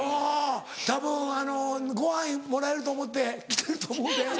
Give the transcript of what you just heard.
たぶんごはんもらえると思って来てると思うで。